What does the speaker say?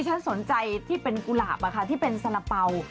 ฉันสนใจที่เป็นกุหลาบที่เป็นสาระเป๋า